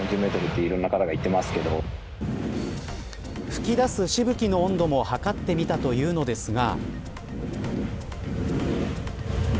噴き出すしぶきの温度も測ってみたというのですが。